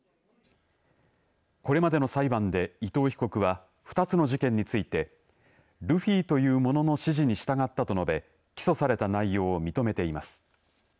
これまでの裁判で、伊藤被告は２つの事件についてルフィという者の指示に従ったと述べ起訴された内容を認めています。